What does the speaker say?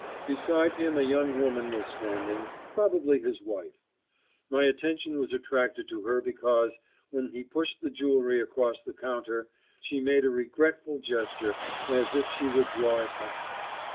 Beside him a young woman was standing—probably his wife. My attention was attracted to her because, when he pushed the jewelry across the counter, she made a regretful gesture, as if she would draw it back.